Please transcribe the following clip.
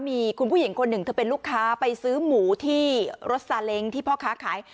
มีคุณผู้หญิงคนหนึ่งเธอเป็นลูกค้าไปซื้อหมูที่รถซาเล้งที่พ่อค้าขาย